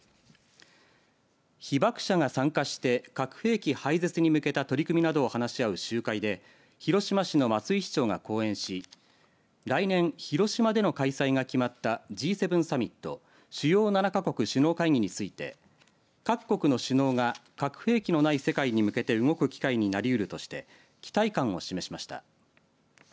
被爆者が参加して核兵器廃絶に向けた取り組みなどを話し合う集会で広島市の松井市長が講演し来年、広島での開催が決まったＧ７サミット主要７か国首脳会議について各国の首脳が核兵器のない世界に向けて動く機会になりうるとして期待感を示しました。